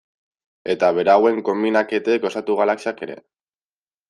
Eta berauen konbinaketek osatu galaxiak ere.